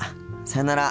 さよなら。